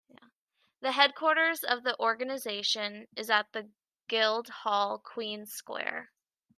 The headquarters of the organisation is at the Guild Hall, Queens Square.